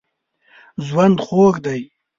ژوند خوږ دی.